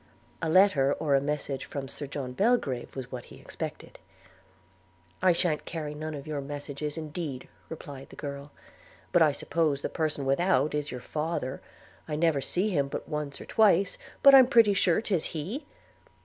(A letter or a message from Sir John Belgrave was what he expected.) 'I shan't carry none of your messages, indeed,' replied the girl: 'but I suppose the person without is your father; I never see him but once or twice, but I'm pretty sure 'tis he.'